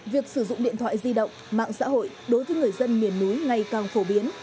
việc sử dụng điện thoại di động mạng xã hội đối với người dân miền núi ngày càng phổ biến